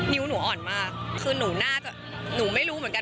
นิ้วหนูอ่อนมากคือหนูน่าจะหนูไม่รู้เหมือนกัน